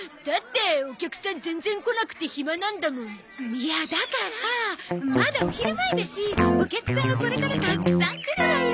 いやだからまだお昼前だしお客さんはこれからたくさん来るわよ。